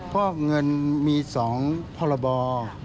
ป้อกเงินมี๒ปรบร